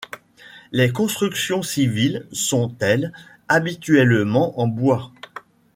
Les constructions civiles sont, elles, habituellement en bois.